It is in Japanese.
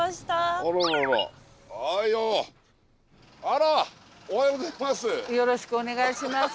あらおはようございます。